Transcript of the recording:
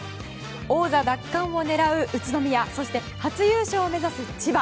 王座奪還を狙う宇都宮そして初優勝を目指す千葉。